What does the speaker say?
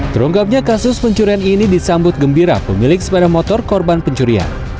terungkapnya kasus pencurian ini disambut gembira pemilik sepeda motor korban pencurian